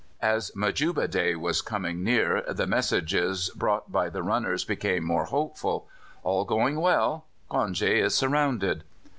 As Majuba Day was coming near the messages brought by the runners became more hopeful: "All going well," "Cronje is surrounded."